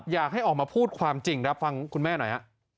อยากให้ออกมาพูดความจริงครับฟังคุณแม่หน่อยฮะ